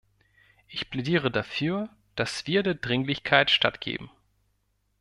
Ich plädiere dafür, dass wir der Dringlichkeit stattgeben.